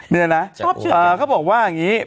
นี่นะเขาบอกว่าอย่างนี้